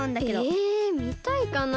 えみたいかなあ？